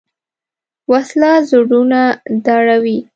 وسله زړونه ډاروي